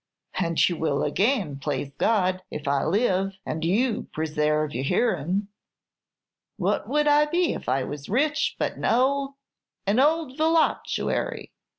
"And you will again, plaze God! if I live, and you pre sarve your hearin'. What would I be if I was rich, but an ould an ould voluptuary?"